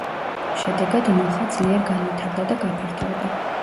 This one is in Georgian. შედეგად ნუხა ძლიერ განვითარდა და გაფართოვდა.